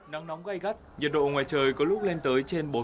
nắng nóng gây gắt nhiệt độ ngoài trời có lúc lên tới trên đất nước